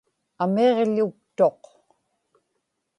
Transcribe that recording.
amiġḷuktuq